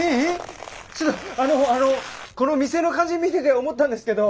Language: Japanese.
ちょっとあのあのこの店の感じ見てて思ったんですけど。